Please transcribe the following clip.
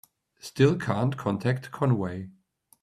Still can't contact Conway.